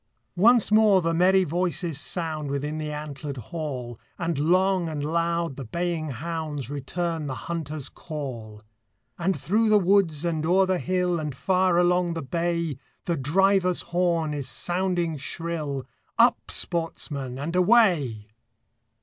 Once more the merry voices sound Within the antlered hall, And long and loud the baying hounds Return the hunter's call; And through the woods, and o'er the hill, And far along the bay, The driver's horn is sounding shrill, Up, sportsmen, and away!